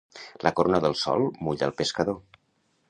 La corona del sol mulla el pescador.